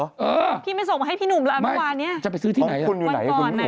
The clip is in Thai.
พี่ไม่ส่งมาให้พี่หนุ่มหรออันที่วันนี้